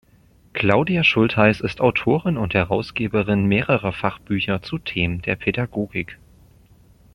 Klaudia Schultheis ist Autorin und Herausgeberin mehrerer Fachbücher zu Themen der Pädagogik.